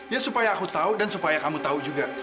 ya supaya aku tau dan supaya kamu tau juga